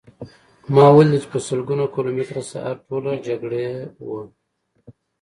ما ولیدل چې په سلګونه کیلومتره ساحه ټوله جګړې وه